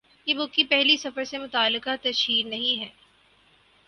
یہ بُک کی پہلی سفر سے متعلقہ تشہیر نہیں ہے